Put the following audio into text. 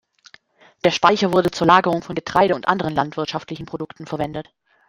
Der Speicher wurde zur Lagerung von Getreide und anderen landwirtschaftlichen Produkten verwendet.